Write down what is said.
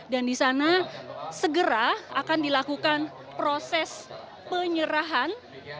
dan di sana segera akan dilakukan proses penyerahan